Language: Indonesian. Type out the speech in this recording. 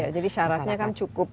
jadi syaratnya kan cukup